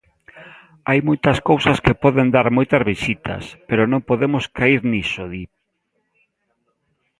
Hai moitas cousas que poden dar moitas visitas, pero non podemos caer niso, di.